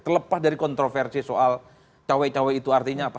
terlepas dari kontroversi soal cowok cowok itu artinya apa